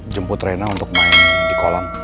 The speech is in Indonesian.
jemput reina untuk main di kolam